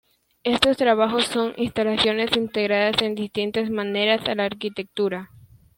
Estos trabajos son instalaciones integradas en distintas maneras a la arquitectura.